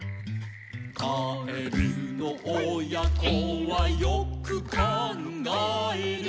「かえるのおやこはよくかんがえる」